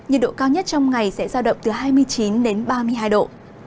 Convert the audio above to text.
nhiệt độ cao nhất trong ngày sẽ giao động từ hai mươi chín ba mươi hai độ